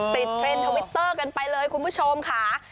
เทรนด์ทวิตเตอร์กันไปเลยคุณผู้ชมค่ะ